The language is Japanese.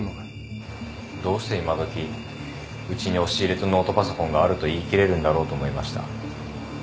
どうして今どきうちに押し入れとノートパソコンがあると言いきれるんだろうと思いました。